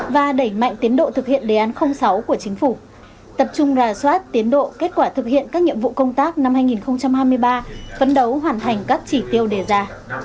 và đẩy mạnh tiến độ thực hiện đề án sáu của chính phủ tập trung rà soát tiến độ kết quả thực hiện các nhiệm vụ công tác năm hai nghìn hai mươi ba phấn đấu hoàn thành các chỉ tiêu đề ra